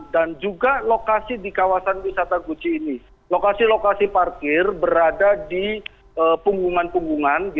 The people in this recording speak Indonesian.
dan juga lokasi di kawasan wisata gucci ini lokasi lokasi parkir berada di punggungan punggungan